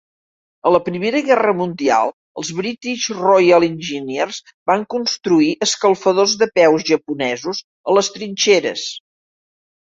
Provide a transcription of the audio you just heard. A la Primera Guerra Mundial, els British Royal Engineers van construir "escalfadors de peus japonesos" a les trinxeres.